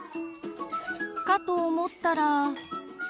かと思ったら。